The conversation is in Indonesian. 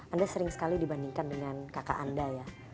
anda sering sekali dibandingkan dengan kakak anda ya